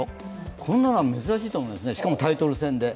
こんなのは珍しいと思いますね、しかもタイトル戦。